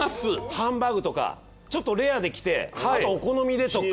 ハンバーグとかちょっとレアできてあとお好みでとか。